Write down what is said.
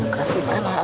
yang keras itu mana